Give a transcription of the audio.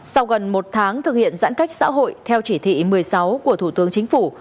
sau gần một tháng thực hiện giãn cách xã hội theo chỉ thị một mươi sáu của thủ tướng chính phủ